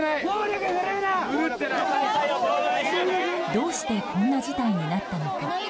どうしてこんな事態になったのか。